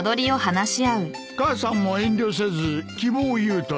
母さんも遠慮せず希望を言うといい。